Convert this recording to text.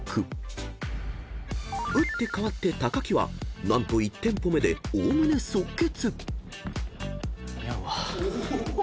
［打って変わって木は何と１店舗目でおおむね即決］